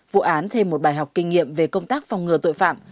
vụ án thêm một bài học kinh nghiệm về công tác phòng ngừa tội phạm